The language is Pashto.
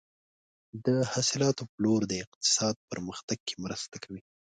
د حاصلاتو پلور د اقتصاد پرمختګ کې مرسته کوي.